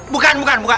bukan bukan bukan